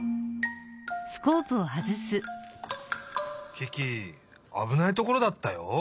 キキあぶないところだったよ。